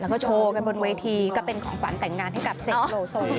แล้วก็โชว์กันบนเวทีก็เป็นของขวัญแต่งงานให้กับเสกโลโซ